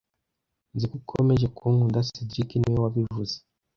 Nzi ko ukomeje kunkunda cedric niwe wabivuze